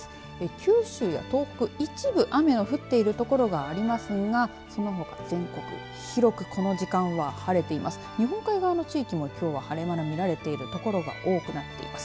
九州、東北、一部雨が降っている所がありますがそのほか全国広くこの時間は晴れています。